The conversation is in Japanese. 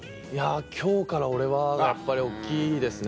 『今日から俺は‼』がやっぱり大っきいですね。